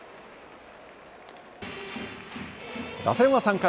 打線は３回。